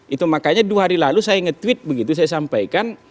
itu makanya dua hari lalu saya nge tweet begitu saya sampaikan